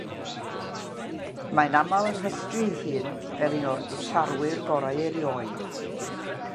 Mae'n aml yn rhestru ei hun fel un o'r Gitarwyr Gorau Erioed.